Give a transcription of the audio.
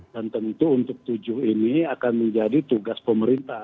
dan tentu untuk tujuh ini akan menjadi tugas pemerintah